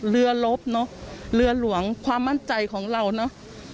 เรือลบเนอะเรือหลวงความมั่นใจของเราเนอะ